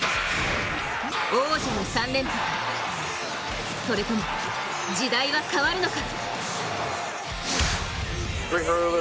王者の３連覇かそれとも時代は変わるのか。